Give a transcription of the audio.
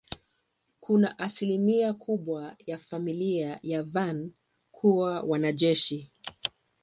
Kuna asilimia kubwa ya familia ya Van kuwa wanajeshi.